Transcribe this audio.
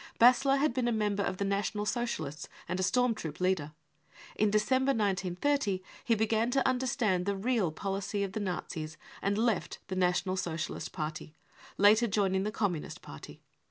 "Bassler had been a member of the National Socialists and a storm troop leader ; in December 1930 he began to the real policy of the Nazis and left the National Socialist Party, later joining the Communist Party.